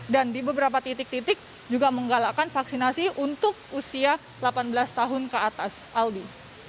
dan di beberapa titik titik juga menggalakan vaksinasi untuk usia delapan belas tahun ke atas aldi